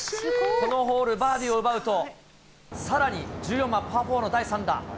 このホール、バーディーを奪うと、さらに１４番パー４の第３打。